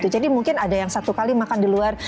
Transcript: jadi mungkin ada yang satu kali makan di luar